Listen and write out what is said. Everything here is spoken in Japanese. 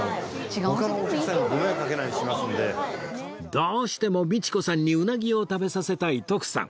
どうしても道子さんにうなぎを食べさせたい徳さん